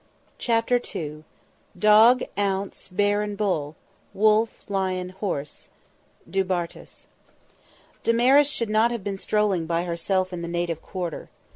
CHAPTER II "Dog, ounce, bear and bull, Wolf, lion, horse." DU BARTAS. Damaris should not have been strolling by herself in the native quarter.